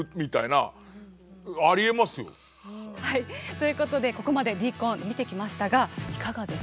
ということでここまでＤコン見てきましたがいかがでしたか？